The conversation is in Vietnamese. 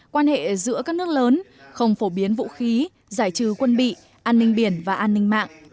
quan hệ giữa các nước lớn không phổ biến vũ khí giải trừ quân bị an ninh biển và an ninh mạng